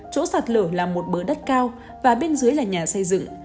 chỗ sạt lở là một bờ đất cao và bên dưới là nhà xây dựng